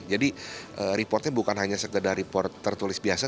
jadi reportnya bukan hanya sekedar report tertulis biasa